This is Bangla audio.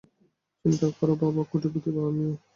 চিন্তা কর বাবা-কোটিপতি বাবার মেয়ে!